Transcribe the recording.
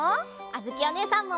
あづきおねえさんも！